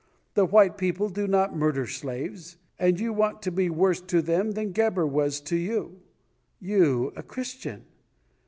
The white people do not murder slaves, and you want to be worse to them than Gebhr was to you you, a Christian!